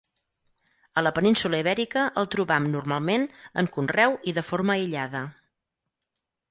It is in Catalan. A la península Ibèrica el trobam normalment, en conreu i de forma aïllada.